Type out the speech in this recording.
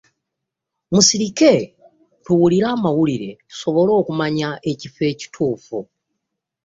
Musirike tuwulire amawulire tusobole okumanya ekifo ekituufu.